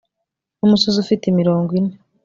n'umusozi ufite imirongo ine